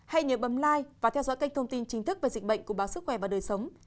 hãy nhớ bấm lai và theo dõi kênh thông tin chính thức về dịch bệnh của báo sức khỏe và đời sống